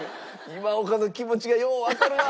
今岡の気持ちがようわかるわ。